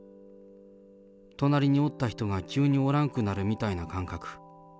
隣におった人が急におらんくなるみたいな感覚。